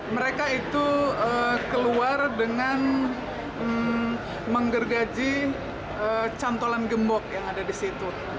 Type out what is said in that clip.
mereka itu keluar dengan menggergaji cantolan gembok yang ada di situ